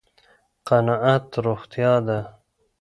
قناعت روغتيا ده